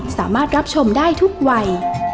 สามารถรับชมได้ทุกวัย